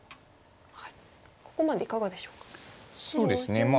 ここまでいかがでしょうか？